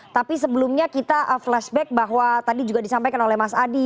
tapi sebelumnya kita flashback bahwa tadi juga disampaikan oleh mas adi